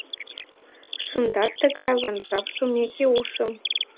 Шындат тыгайлан жап шумеке ушым.